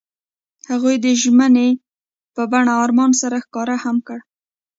هغوی د ژمنې په بڼه آرمان سره ښکاره هم کړه.